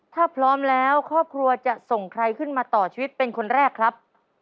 ถ้าพร้อมแล้วครอบครัวจะส่งใครขึ้นมาต่อชีวิตเป็นคนแรกครับ